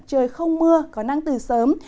trời không mưa có nắng từ sớm